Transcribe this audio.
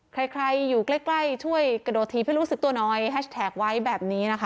ใครอยู่ใกล้ช่วยกระโดดถีบให้รู้สึกตัวน้อยแฮชแท็กไว้แบบนี้นะคะ